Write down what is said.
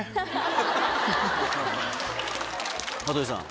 羽鳥さん。